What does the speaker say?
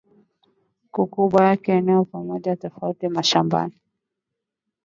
Mukubwa yangu eko nama mpango tatu ya mashamba